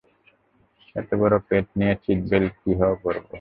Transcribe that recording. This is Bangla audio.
এতবড় পেট নিয়ে সিট বেল্ট কীভাবে পড়বো?